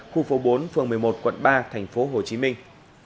khu phố bốn phường một mươi một quận ba thành phố hồ chí minh